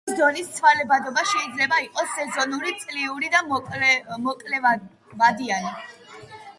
ტბის დონის ცვალებადობა შეიძლება იყოს სეზონური, წლიური და მოკლევადიანი.